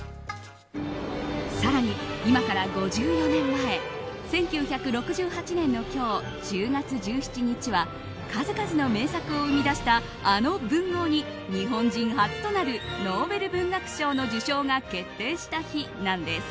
更に、今から５４年前１９６８年の今日１０月１７日は数々の名作を生み出したあの文豪に日本人初となるノーベル文学賞の受賞が決定した日なんです。